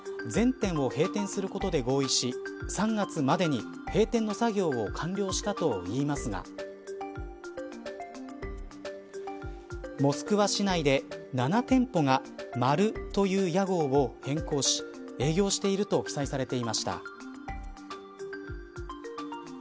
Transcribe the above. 全店を閉店することで合意し３月までに閉店の作業を完了したといいますがモスクワ市内で７店舗が丸という屋号を変更し営業していると記載されていました。